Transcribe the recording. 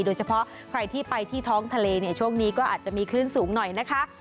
โดยเฉพาะใครที่ไปที่ท้องทะเลเนี่ยช่วงนี้ก็อาจจะมีคลื่นสูงหน่อยนะคะ